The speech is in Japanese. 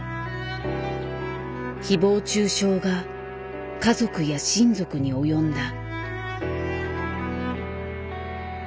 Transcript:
誹謗中傷が家族や親族に及んだ。